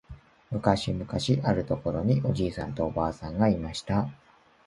むかしむかしあるところにおじいさんとおばあさんがいました。